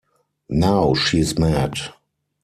Now she's mad.